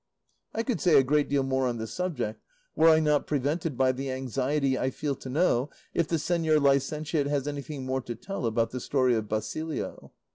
I could say a great deal more on this subject, were I not prevented by the anxiety I feel to know if the señor licentiate has anything more to tell about the story of Basilio."